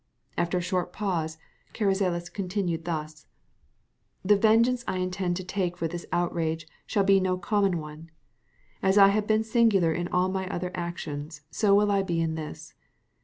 After a short pause, Carrizales continued thus:— "The vengeance I intend to take for this outrage shall be no common one. As I have been singular in all my other actions, so will I be in this.